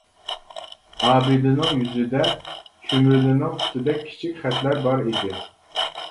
ئابىدىنىڭ يۈزىدە چۈمۈلىنىڭ پۇتىدەك كىچىك خەتلەر بار ئىدى.